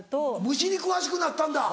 虫に詳しくなったんだ。